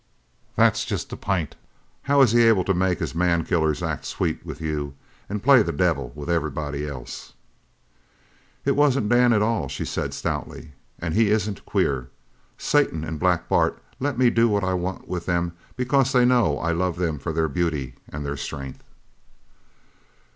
That's just the pint! How is he able to make his man killers act sweet with you an' play the devil with everybody else." "It wasn't Dan at all!" she said stoutly, "and he isn't queer. Satan and Black Bart let me do what I want with them because they know I love them for their beauty and their strength."